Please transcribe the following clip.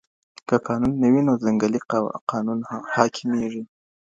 که قانون نه وي نو ځنګلي قانون حاکمیږي.